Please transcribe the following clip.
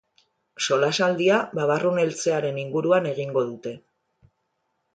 Solasaldia babarrun eltzearen inguruan egingo dute.